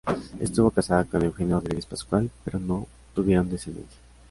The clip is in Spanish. Estuvo casada con Eugenio Rodríguez Pascual, pero no tuvieron descendencia.